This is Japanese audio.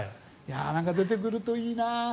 何か出てくるといいな。